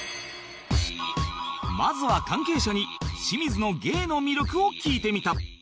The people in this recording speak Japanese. まずは関係者に清水の芸の魅力を聞いてみた